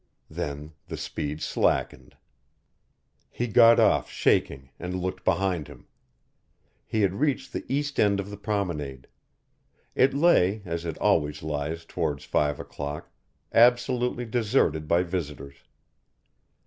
Then the speed slackened. He got off shaking, and looked behind him. He had reached the east end of the promenade. It lay, as it always lies towards five o'clock, absolutely deserted by visitors.